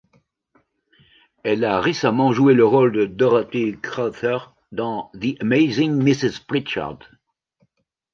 Elle a récemment joué le rôle de Dorothy Crowther dans The Amazing Mrs Pritchard.